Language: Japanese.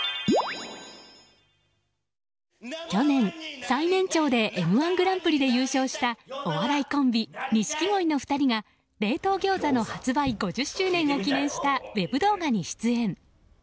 去年、最年長で「Ｍ‐１グランプリ」で優勝したお笑いコンビ、錦鯉の２人が冷凍餃子の発売５０周年を記念したウェブ動画に出演。